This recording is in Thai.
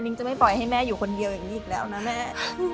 จะไม่ปล่อยให้แม่อยู่คนเดียวอย่างนี้อีกแล้วนะแม่